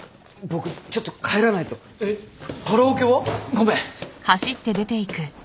ごめん。